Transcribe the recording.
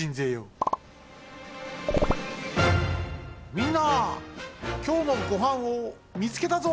みんなきょうのごはんをみつけたぞ！